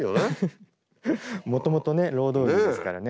もともとね労働着ですからね。